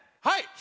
はい！